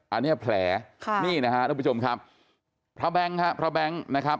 อันนี้แผลค่ะนี่นะฮะทุกผู้ชมครับพระแบงค์ฮะพระแบงค์นะครับ